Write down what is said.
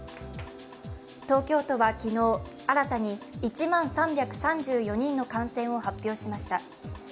東京都は昨日、新たに１万３３４人の感染を発表しました。